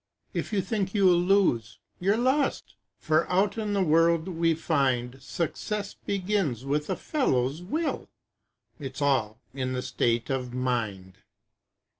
If you think you'll lose, you're lost For out of the world we find, Success begins with a fellow's will It's all in the state of mind.